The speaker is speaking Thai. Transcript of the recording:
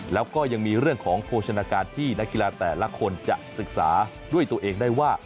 แล้วก็ยังมีเรื่องของโภชนาการที่นักกีฬาแต่ละคนจะศึกษาด้วยตัวเองได้ว่า